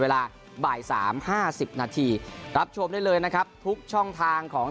เวลาบ่ายสามห้าสิบนาทีรับชมได้เลยนะครับทุกช่องทางของ